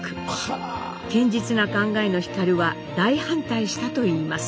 堅実な考えの皓は大反対したといいます。